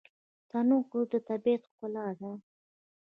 تنوع د طبیعت ښکلا ده.